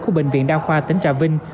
của bệnh viện đao khoa tỉnh trà vinh